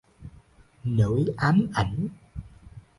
nỗi ám ảnh